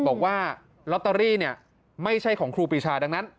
บอกว่าลอตเตอรี่เนี่ยไม่ใช่ของครูปีชาดังนั้น